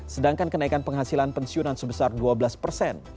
sedangkan kenaikan penghasilan pensiunan sebesar dua belas persen